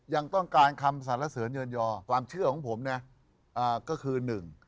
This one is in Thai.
ยังต้องการคำสรรเสริญเยินยอความเชื่อของผมนะก็คือหนึ่ง